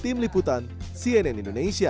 tim liputan cnn indonesia